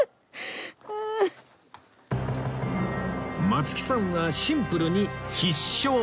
松木さんはシンプルに「必勝！！」